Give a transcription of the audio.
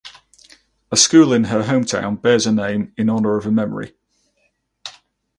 A school in her hometown bears her name in honor of her memory.